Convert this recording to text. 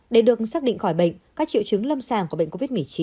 để được xác định khỏi bệnh các triệu chứng lâm sàng của bệnh covid một mươi chín